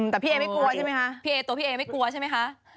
แต่พี่เอไม่กลัวใช่ไหมคะพี่เอตัวพี่เอไม่กลัวใช่ไหมคะ